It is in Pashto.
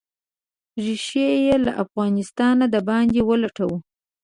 ریښې یې له افغانستانه د باندې ولټوو.